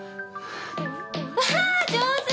わあ上手！